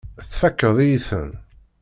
Tfakkeḍ-iyi-ten.